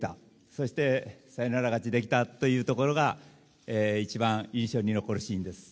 そしてサヨナラ勝ちできたというところが一番印象に残るシーンです。